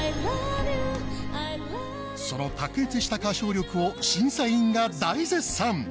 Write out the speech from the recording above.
その卓越した歌唱力を審査員が大絶賛。